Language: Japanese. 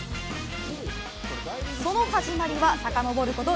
その始まりはさかのぼること